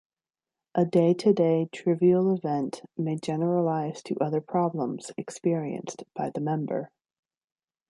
A day-today trivial event may generalize to other problems experienced by the member.